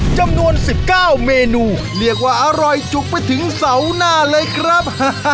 จำนวน๑๙เมนูเรียกว่าอร่อยจุกไปถึงเสาหน้าเลยครับ